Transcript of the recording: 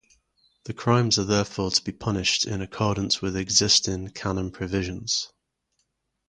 The crimes are therefore to be punished in accordance with existing canon provisions.